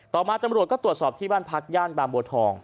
ต่อมาตำรวจก็ตรวจสอบที่บ้านพักย่านบางบัวทอง